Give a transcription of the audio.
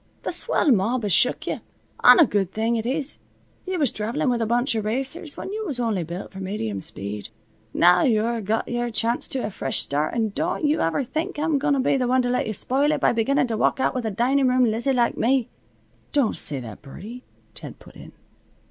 Th' swell mob has shook you, an' a good thing it is. You was travelin' with a bunch of racers, when you was only built for medium speed. Now you're got your chance to a fresh start and don't you ever think I'm going to be the one to let you spoil it by beginnin' to walk out with a dinin' room Lizzie like me." "Don't say that, Birdie," Ted put in.